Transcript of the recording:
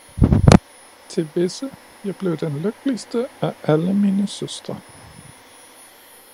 Til visse, jeg blev den lykkeligste af alle mine søstre